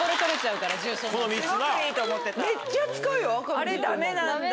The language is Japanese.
あれダメなんだ。